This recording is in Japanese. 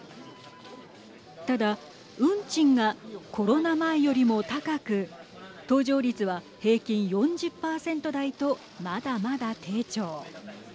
ただ、運賃がコロナ前よりも高く搭乗率は平均４０％台とまだまだ低調。